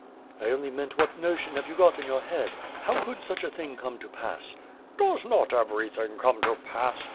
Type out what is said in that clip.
'' "I only meant what notion have you got in your head? How could such a thing come to pass?" "Does not everything come to pass?